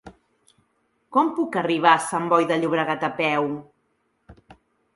Com puc arribar a Sant Boi de Llobregat a peu?